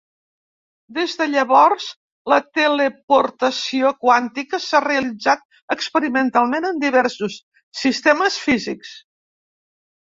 Des de llavors, la teleportació quàntica s'ha realitzat experimentalment en diversos sistemes físics.